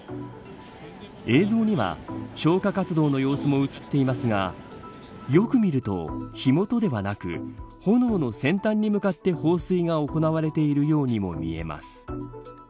映像には消火活動の様子も映っていますがよく見ると火元ではなく炎の先端に向かって放水が行われているようにも見えます。